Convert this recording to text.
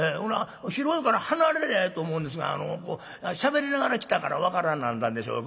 広いから離れりゃええと思うんですがしゃべりながら来たから分からなんだんでしょう。